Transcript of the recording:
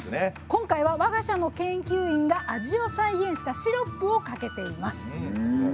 今回は我が社の研究員が味を再現したシロップをかけています。